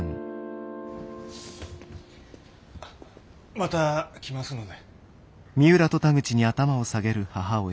また来ますので。